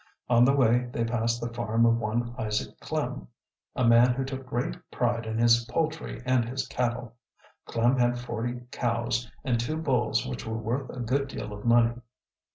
On the way they passed the farm of one Isaac Klem, a man who took great pride in his poultry and his cattle. Klem had forty cows, and two bulls which were worth a good deal of money.